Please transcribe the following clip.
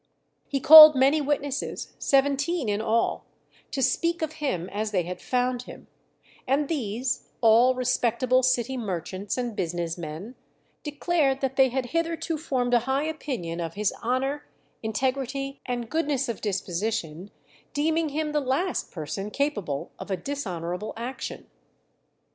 He called many witnesses, seventeen in all, to speak of him as they had found him; and these, all respectable city merchants and business men, declared that they had hitherto formed a high opinion of his honour, integrity, and goodness of disposition, deeming him the last person capable of a dishonourable action.